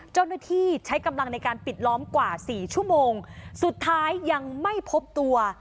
เจ้าหน้าที่ใช้กำลังในการปิดล้อมกว่าสี่ชั่วโมงสุดท้ายยังไม่พบตัว